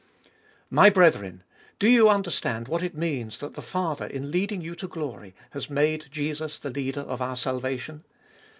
My brethren ! do you understand what it means that the Father, in leading you to glory, has made Jesus the Leader of our salvation.